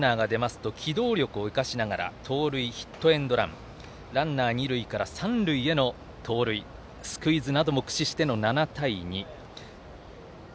先手、先手でランナーが出ますと機動力を生かしながら盗塁、ヒットエンドランや二塁から三塁への盗塁スクイズなども駆使して７対２。